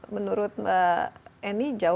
menurut mbak annie